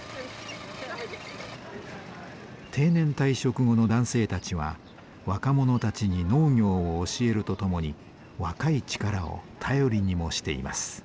定年退職後の男性たちは若者たちに農業を教えるとともに若い力を頼りにもしています。